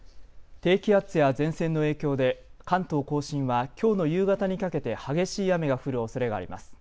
低気圧や前線の影響で関東甲信はきょうの夕方にかけて激しい雨が降るおそれがあります。